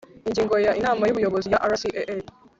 Ingingo ya Inama y Ubuyobozi ya RCAA